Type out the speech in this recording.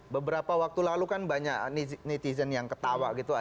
beberapa waktu lalu kan banyak netizen yang ketawa gitu